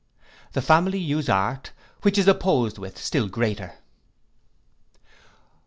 The family use art, which is opposed with, still greater.